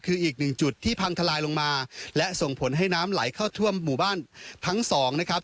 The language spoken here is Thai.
คืออีกหนึ่งจุดที่พังทลายลงมาและส่งผลให้น้ำไหลเข้าท่วมหมู่บ้านทั้งสองนะครับ